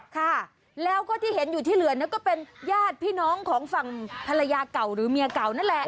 ค่ะแล้วก็ที่เห็นอยู่ที่เหลือเนี่ยก็เป็นญาติพี่น้องของฝั่งภรรยาเก่าหรือเมียเก่านั่นแหละ